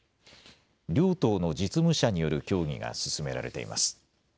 両党の実務者による協議が進められています。